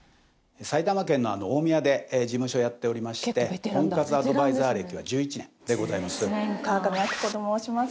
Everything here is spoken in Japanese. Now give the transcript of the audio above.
埼玉県の大宮で事務所やっておりまして婚活アドバイザー歴は１１年でございます川上あきこと申します